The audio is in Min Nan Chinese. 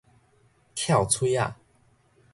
翹喙仔